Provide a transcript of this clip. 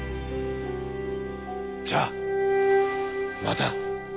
じゃあまた。